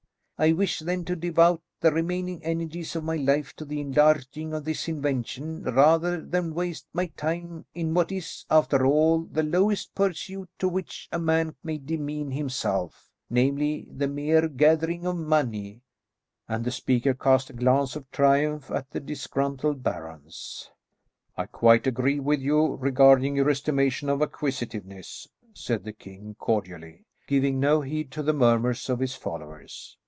I wish, then, to devote the remaining energies of my life to the enlarging of this invention, rather than waste my time in what is, after all, the lowest pursuit to which a man may demean himself, namely, the mere gathering of money," and the speaker cast a glance of triumph at the disgruntled barons. "I quite agree with you regarding your estimation of acquisitiveness," said the king cordially, giving no heed to the murmurs of his followers.